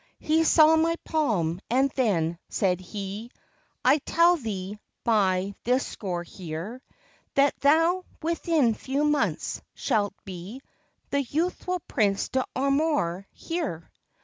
He saw my palm; and then, said he, I tell thee, by this score here, That thou, within few months, shalt be The youthful Prince D'Amour here.